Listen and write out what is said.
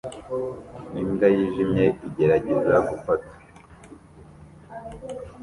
Imbwa yijimye igerageza gufata